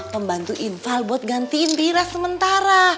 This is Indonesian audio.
pembantu infal buat gantiin pira sementara